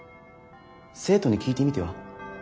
生徒に聞いてみては？